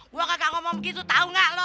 gua kagak ngomong begitu tau gak lo